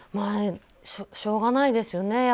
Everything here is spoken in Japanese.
しょうがないですよね。